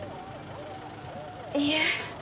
いえ。